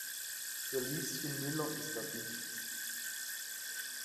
Für Lieschen Müller ist das nichts.